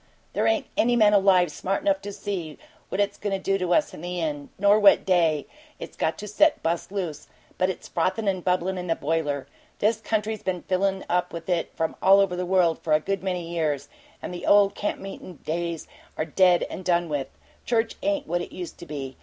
There ain't any man alive smart enough to see what it's goin' to do to us in the end, nor what day it's got set to bust loose, but it's frothin' and bubblin' in the boiler. This country's been fillin' up with it from all over the world for a good many years, and the old camp meetin' days are dead and done with. Church ain't what it used to be.